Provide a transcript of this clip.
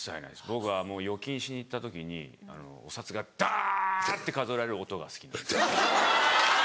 僕はもう預金しに行った時にお札がダって数えられる音が好きなんです。